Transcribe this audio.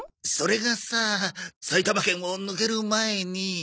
それがさ埼玉県を抜ける前に。